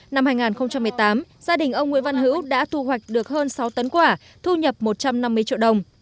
năm hai nghìn một mươi tám gia đình ông nguyễn văn hữu đã thu hoạch được hơn sáu tấn quả thu nhập một trăm năm mươi triệu đồng